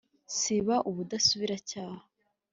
siba ubudasubira icyaha